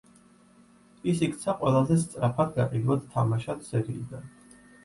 ის იქცა ყველაზე სწრაფად გაყიდვად თამაშად სერიიდან.